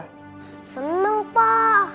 kenzo senang ketemu tante bella